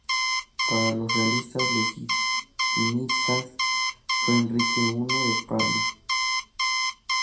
Para los realistas legitimistas fue Enrique I de Parma.